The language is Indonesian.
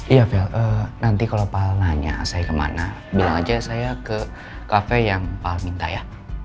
iya nanti kalau pak nanya saya kemana bilang aja saya ke kafe yang pak minta ya